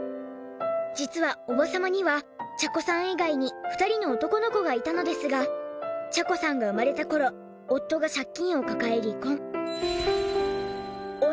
実はおば様には茶子さん以外に２人の男の子がいたのですが茶子さんが生まれた頃夫が借金を抱え離婚。